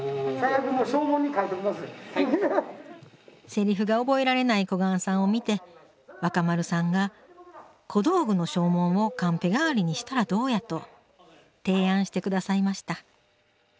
セリフが覚えられない小雁さんを見て若丸さんが小道具の証文をカンペ代わりにしたらどうやと提案して下さいました